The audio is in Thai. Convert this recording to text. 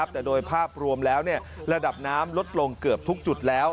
แต่โดยภาพรวมแล้วระดับน้ำลดลงเกือบทุกจุดแล้ว